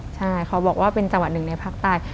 ใช่เขาบอกว่าเป็นจังหวัดหนึ่งในภาคใต้